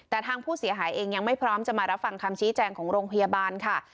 แต่ทางผู้เสียหายเองยังไม่พร้อมจะมารับฟังคำชี้แจงของโรงพยาบาลค่ะ